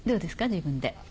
自分で。